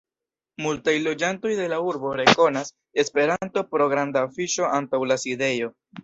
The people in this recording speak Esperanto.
Multaj loĝantoj de la urbo rekonas Esperanton pro granda afiŝo antaŭ la sidejo.